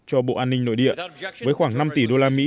cho bộ an ninh nội địa với khoảng năm tỷ đô la mỹ